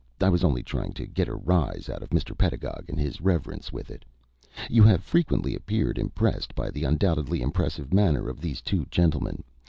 I was only trying to get a rise out of Mr. Pedagog and his Reverence with it. You have frequently appeared impressed by the undoubtedly impressive manner of these two gentlemen.